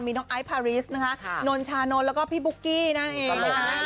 มีน้องไอซ์พารีซน้นชานนแล้วก็พี่บุ๊กกี้นั่นเอง